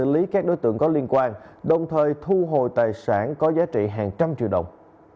liên quan đồng thời thu hồi tài sản có giá trị hàng trăm triệu đồng